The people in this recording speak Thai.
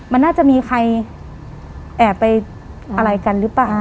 มันน่าจะมีใครแอบไปอะไรกันหรือเปล่า